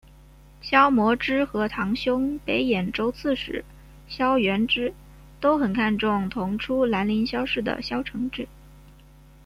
萧摹之和堂兄北兖州刺史萧源之都很看重同出兰陵萧氏的萧承之。